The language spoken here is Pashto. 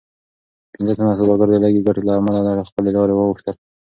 پنځه تنه سوداګر د لږې ګټې له امله له خپلې لارې واوښتل.